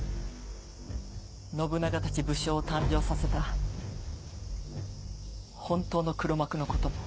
信長たち武将を誕生させた本当の黒幕のことも。